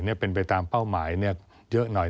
นี่เป็นไปตามเป้าหมายเยอะหน่อย